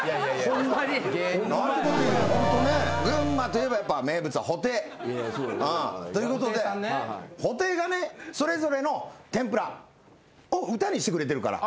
群馬といえば名物布袋。ということで布袋がねそれぞれの天ぷらを歌にしてくれてるから。